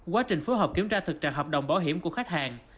quá trình phối hợp kiểm tra thực trạng hợp đồng bảo hiểm của khách hàng